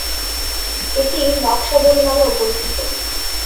এটি "নকশা বড়ি" নামেও পরিচিত।